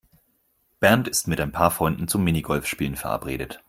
Bernd ist mit ein paar Freunden zum Minigolfspielen verabredet.